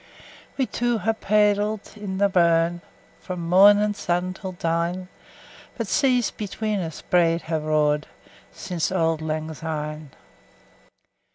We twa hae paidl't i' the burn, Frae mornin' sun till dine; 10 But seas between us braid hae roar'd Sin' auld lang syne.